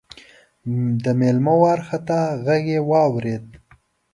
د مېلمه وارخطا غږ يې واورېد: